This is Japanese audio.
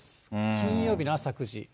金曜日の朝９時。